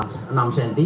hanya enam senti